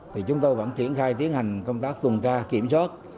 thì chúng tôi vẫn triển khai tiến hành công tác tuần tra kiểm soát